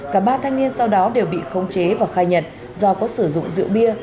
cả ba thanh niên sau đó đều bị khống chế và khai nhận do có sử dụng rượu bia